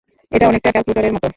এটা অনেকটা ক্যালকুলেটরের মত।